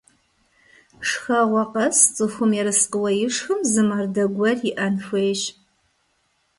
Шхэгъуэ къэс цӀыхум ерыскъыуэ ишхым зы мардэ гуэр иӀэн хуейщ.